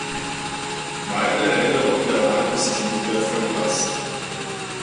Meine Erinnerung daran ist schon sehr verblasst.